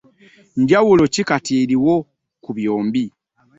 Njawulo ki kati eriwo ku byombi?